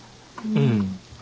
うん。